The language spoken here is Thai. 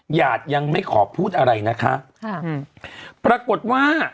หยาดยังไม่ขอพูดอะไรนะคะค่ะอืมปรากฏว่า